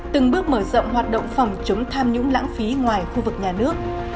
từng bước mở rộng hoạt động phòng chống tham nhũng lãng phí ngoài khu vực nhà nước